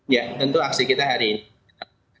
ya tentu aksi kita hari ini